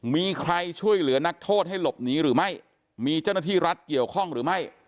มีใครช่วยเหลือนักโทษให้หลบหนีหรือไม่มีเจ้าหน้าที่รัฐเกี่ยวข้องหรือไม่